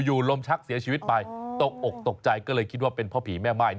ลมชักเสียชีวิตไปตกอกตกใจก็เลยคิดว่าเป็นพ่อผีแม่ม่าย